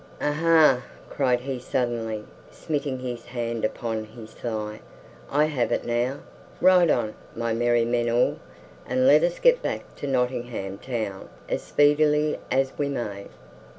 "Aha!" cried he suddenly, smiting his hand upon his thigh "I have it now! Ride on, my merry men all, and let us get back to Nottingham Town as speedily as we may.